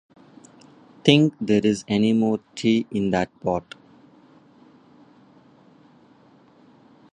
Think there's any more tea in that pot?